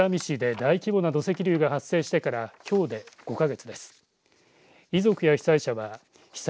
大規模な土石流が発生してからきょうで５か月。